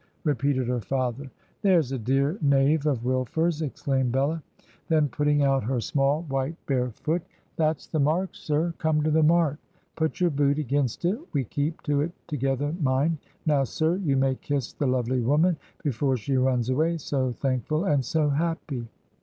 repeated her father. 'There's a dear Knave of WilfersI' exclaimed Bella; then, putting out her small, white, bare foot,' That's the mark, sir. Come to the mark. Put your boot against it. We keep to it together, mind I Now, sir, you may kiss the lovely woman before she runs away, so thank ful and so happy.